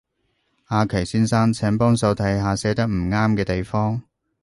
阿祁先生，請幫手睇下寫得唔啱嘅地方